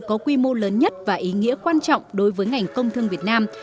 có quy mô lớn nhất và ý nghĩa quan trọng đối với ngành công thương việt nam